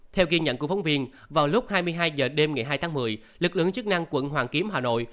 theo ghi nhận của phóng viên vào lúc hai mươi hai h đêm ngày hai tháng một mươi lực lượng chức năng quận hoàn kiếm hà nội